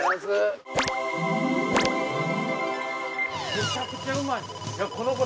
めちゃくちゃうまいぞ。